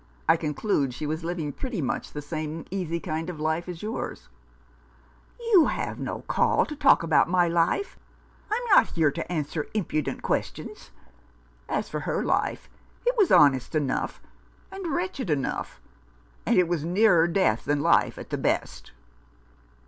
I conclude she was living pretty much the same easy kind of life as yours ?"" You have no call to talk about my life. I'm not here to answer impudent questions. As for her life, it was honest enough, and wretched enough ; and it was nearer death than life at the best."